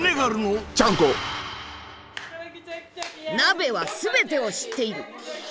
「鍋は全てを知っている！」。